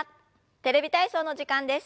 「テレビ体操」の時間です。